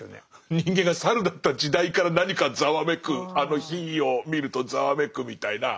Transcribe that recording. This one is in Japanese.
人間が猿だった時代から何かざわめく火を見るとざわめくみたいな。